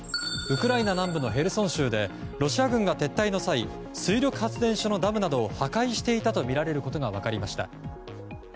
ウクライナ南部のヘルソン州でロシア軍が撤退の際水力発電所のダムなどを破壊していたとみられることが分かりました。